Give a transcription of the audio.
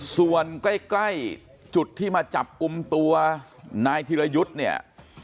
ส่วนใกล้จุดที่มาจับกลุ่มตัวนายธิรยุทธ์เนี่ย